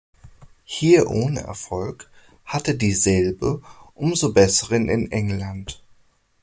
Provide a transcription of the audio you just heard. Hier ohne Erfolg hatte dieselbe umso besseren in England.